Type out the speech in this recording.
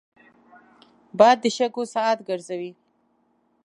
باد د شګو ساعت ګرځوي